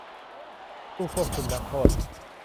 ผู้ควบคุมนักโทษ